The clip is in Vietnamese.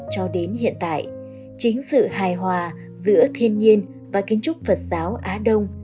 cho đến hiện tại chính sự hài hòa giữa thiên nhiên và kiến trúc phật giáo á đông